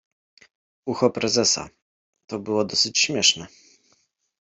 Ucho prezesa. To było dosyć śmieszne.